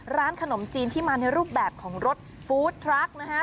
ร้านขนมจีนที่มาในรูปแบบของรสฟู้ดทรัคนะฮะ